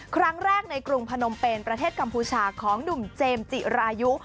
ครั้งแรกในกรุงพนมเป็นประเทศกัมพูชาของหนุ่มเจมส์จิรายุ